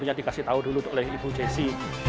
cara yang sudah dikasih tahu dulu oleh ibu jessy